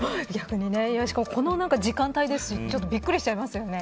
この時間帯ですし、ちょっとびっくりしちゃいますよね。